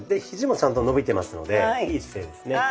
ひじもちゃんと伸びてますのでいい姿勢ですね。